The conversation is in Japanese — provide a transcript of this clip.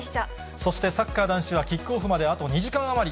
そしてサッカー男子はキックオフまであと２時間余り。